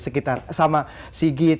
sekitar sama sigit